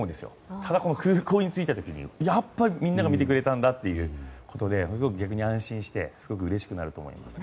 ただ、空港に着いた時にやっぱり、みんなが見ててくれたんだってことで逆に安心してすごくうれしくなると思います。